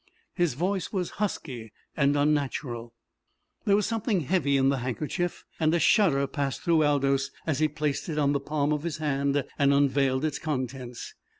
His voice was husky and unnatural. There was something heavy in the handkerchief, and a shudder passed through Aldous as he placed it on the palm of his hand and unveiled its contents.